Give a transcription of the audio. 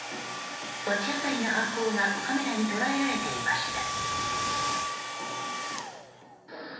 罰当たりな犯行がカメラに捉えられていました。